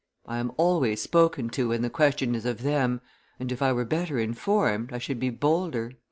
I am always spoken to when the question is of them; and if I were better informed, I should be bolder."